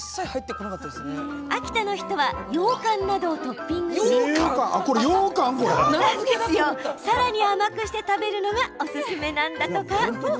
秋田の人は、ようかんなどをトッピングし、さらに甘くして食べるのがおすすめなんだとか。